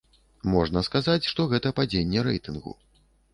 Можна сказаць, што гэта падзенне рэйтынгу.